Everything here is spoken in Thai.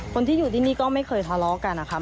คนที่อยู่ที่นี่ก็ไม่เคยทะเลาะกันนะคะ